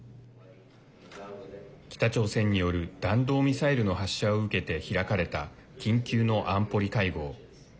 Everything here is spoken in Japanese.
北朝鮮による弾道ミサイルの発射を受けて開かれた緊急の安保理会合。